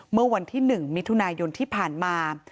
เมื่อวันที่๑มิถุนายนที่ผ่านมา